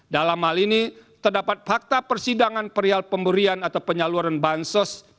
dalam hal ini terdapat fakta persidangan perial pemberian atau penyaluran bansos